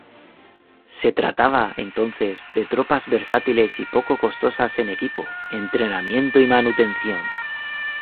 Se trataba, entonces, de tropas versátiles y poco costosas en equipo, entrenamiento y manutención.